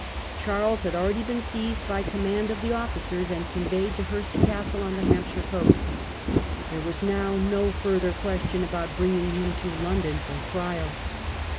Charles had already been seized by com mand of the officers and conveyed to Hurst Castle on the Hampshire coast : there was now no further question about bringing him to London for trial.